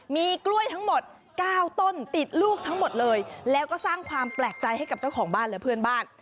มีกล้วยทั้งหมด๙ต้นติดลูกทั้งหมดเลยแล้วก็สร้างความแปลกใจให้กับเจ้าของบ้านและเพื่อนบ้าน